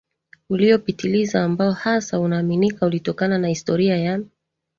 uliopitiliza ambao hasa unaaminika ulitokana na historia ya